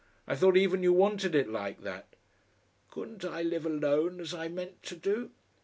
I thought even you wanted it like that." "Couldn't I live alone as I meant to do?"